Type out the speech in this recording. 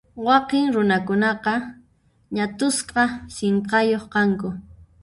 Wakin runaqa ñat'usqa sinqayuq kanku.